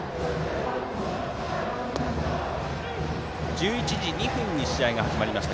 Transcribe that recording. １１時２分に試合が始まりました